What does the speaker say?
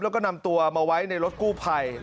แล้วก็นำตัวมาไว้ในรถกู้ภัย